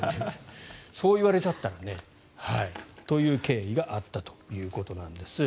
そう言われちゃったらね。という経緯があったということです。